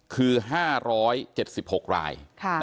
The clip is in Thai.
คือ๕๗๖ราย